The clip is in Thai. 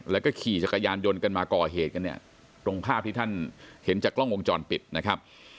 แล้วก็ขี่จักรยานยนต์กันมาก่อเหตุกันเนี่ยตรงภาพที่ท่านเห็นจากกล้องวงจรปิดนะครับ